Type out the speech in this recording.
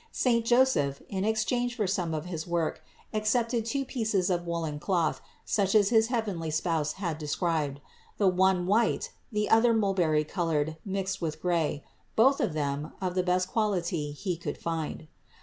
Saint Joseph, in exchange for some of his work, accepted two pieces of woolen cloth such as his heavenly Spouse had described ; the one white, the other mulberry colored mixed with grey, both of them of the best quality he could find.